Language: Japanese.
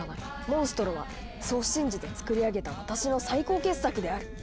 モンストロはそう信じてつくり上げた私の最高傑作である」。